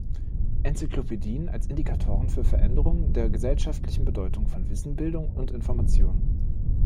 Enzyklopädien als Indikatoren für Veränderungen der gesellschaftlichen Bedeutung von Wissen, Bildung und Information“.